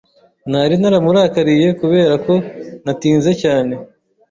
Nari naramurakariye kubera ko natinze cyane.